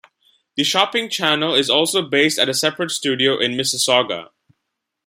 The Shopping Channel is also based at a separate studio in Mississauga.